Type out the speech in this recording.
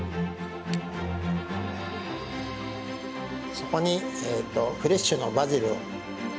そこにフレッシュのバジルを。